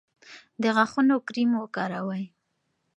د غاښونو کریم وکاروئ.